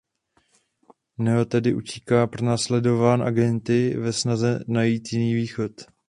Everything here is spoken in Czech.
Neo tedy utíká pronásledován agenty ve snaze najít jiný východ.